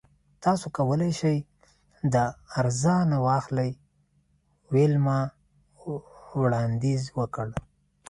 تاسو کولی شئ دا ارزانه واخلئ ویلما وړاندیز وکړ